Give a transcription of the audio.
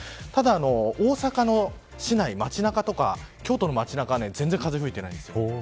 ただ、大阪の市内、街中とか京都の街中は全然風が吹いていないんですよ。